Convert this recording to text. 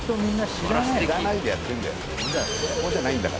知らないでやってるんだよ。